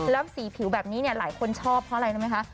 แล้วสีผิวแบบนี้หลายคนชอบเพราะอะไรรู้ไหมคะ